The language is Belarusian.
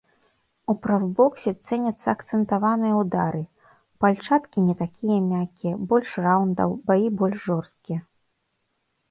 У прафбоксе цэняцца акцэнтаваныя ўдары, пальчаткі не такія мяккія, больш раўндаў, баі больш жорсткія.